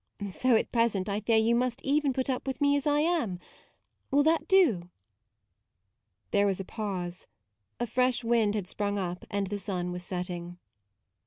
So at present I fear you must even put up with me as I am. Will that do? " There was a pause. A fresh wind had sprung up and the sun was setting.